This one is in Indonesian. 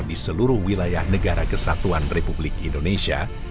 di seluruh wilayah negara kesatuan republik indonesia